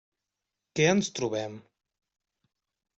Què ens trobem?